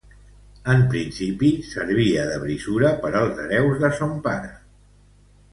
En principi, servia de brisura per als hereus de son pare.